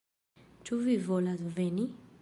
Ĉu vi volas veni?